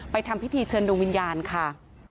ทำพิธีเชิญดวงวิญญาณค่ะ